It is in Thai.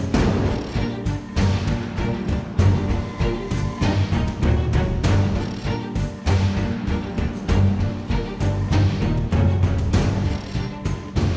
โปรดติดตามตอนต่อไป